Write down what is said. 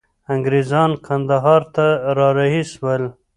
انګریزان کندهار ته را رهي سول.